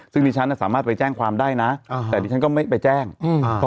ซึ่งดิฉันน่ะสามารถไปแจ้งความได้นะอ่าแต่ดิฉันก็ไม่ไปแจ้งอืมอ่า